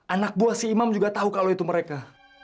anak buah si imam juga tahu kalau itu mereka